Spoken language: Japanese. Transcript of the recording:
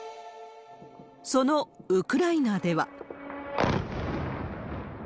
そのウクライナでは。